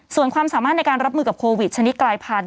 ส่วนความสามารถในการรับมือกับโควิดชนิดกลายพันธ